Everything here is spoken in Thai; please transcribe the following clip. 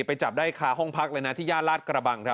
ไปจับได้คาห้องพักเลยนะที่ย่านลาดกระบังครับ